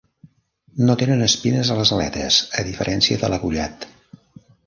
No tenen espines a les aletes, a diferència de l'agullat.